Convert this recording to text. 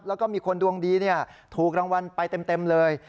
แล้วก็มีคนดวงดีถูกรางวัลไปเต็มเลย